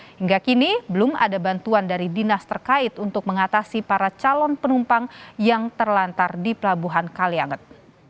hingga kini belum ada bantuan dari dinas terkait untuk mengatasi para calon penumpang yang terlantar di pelabuhan kalianget